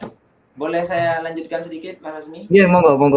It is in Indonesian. hai boleh saya lanjutkan sedikit mengambil monggo monggo